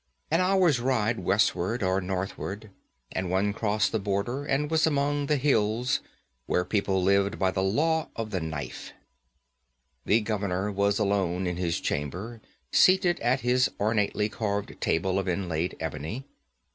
An hour's ride westward or northward and one crossed the border and was among the Hills where men lived by the law of the knife. The governor was alone in his chamber, seated at his ornately carven table of inlaid ebony.